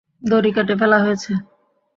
দড়ি কেটে ফেলা হয়েছে।